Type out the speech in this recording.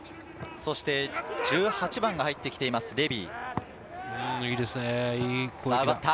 そして１８番が入ってきています、レビー。